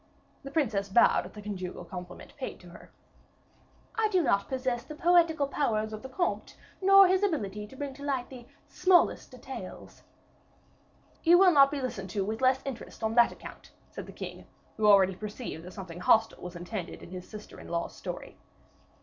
The princess bowed at the conjugal compliment paid her. "I do not possess the poetical powers of the comte, nor his ability to bring to light the smallest details." "You will not be listened to with less interest on that account," said the king, who already perceived that something hostile was intended in his sister in law's story.